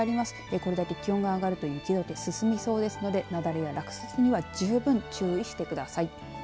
これだけ気温が上がると雪どけ進みそうですので雪崩や落雪には十分注意してください。